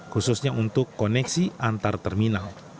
khususnya untuk koneksi antar terminal